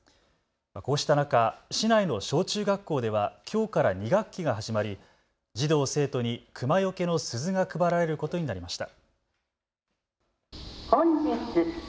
こうした中、市内の小中学校ではきょうから２学期が始まり児童生徒にクマよけの鈴が配られることになりました。